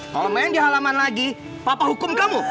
kalau main di halaman lagi papa hukum kamu